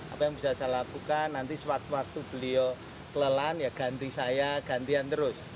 apa yang bisa saya lakukan nanti sewaktu waktu beliau kelelan ya ganti saya gantian terus